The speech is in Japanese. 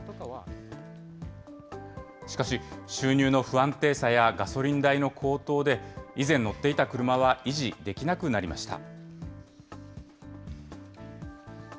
しかし、収入の不安定さや、ガソリン代の高騰で、以前乗っていた車は維持できなくなりました。